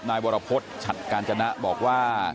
นายบรพจัดการจนะบอกว่า